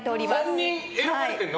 ３人選ばれてるの？